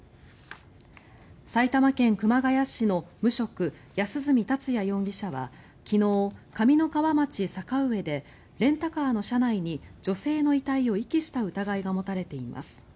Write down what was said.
埼玉県熊谷市の無職安栖達也容疑者は昨日、上三川町坂上でレンタカーの車内に女性の遺体を遺棄した疑いが持たれています。